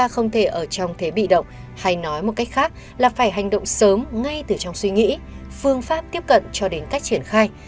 không thể ở trong thế bị động hay nói một cách khác là phải hành động sớm ngay từ trong suy nghĩ phương pháp tiếp cận cho đến cách triển khai